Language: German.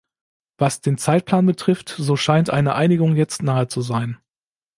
Was den Zeitplan betrifft, so scheint eine Einigung jetzt nahe zu sein.